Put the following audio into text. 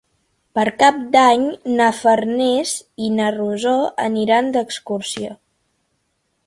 Per Cap d'Any na Farners i na Rosó aniran d'excursió.